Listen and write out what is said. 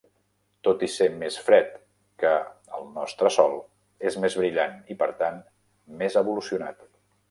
Tot i ser més fred que el nostre sol, és més brillant i, per tant, més evolucionat.